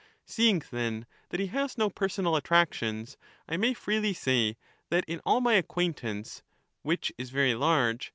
"^^^^^^^ 144 Seeing, then, that he has no personal attractions, I may beauty, but freely say, that in all my acquaintance, which is very large, 2?!